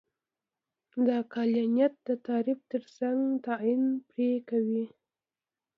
د عقلانیت د تعریف ترڅنګ تعین پرې کوي.